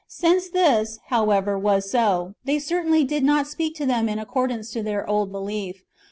Since this, however, was so, they cer tainly did not speak to them in accordance with their old belief.